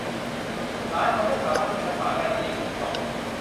หลายคนไม่สามารถใช้ภาษาแรกได้อย่างถูกต้อง